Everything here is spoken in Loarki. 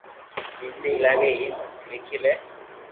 جيم سھي لاگي ايم ليکي لي